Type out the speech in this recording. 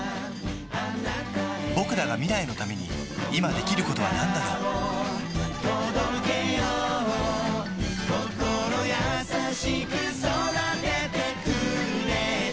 ぼくらが未来のために今できることはなんだろう心優しく育ててくれた